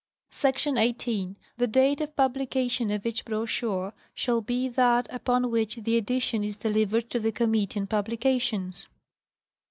Src. 18. The date of publication of each brochure shall be that upon which the edition is delivered to the Committee on Publications.